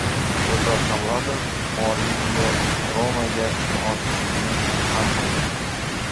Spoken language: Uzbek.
Eldor Shomurodov: "Mourinyo "Roma"ga o‘tishimni hal qilgan"